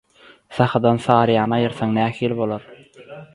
Sahydan «Saryýany» aýyrsaň nähili bolar?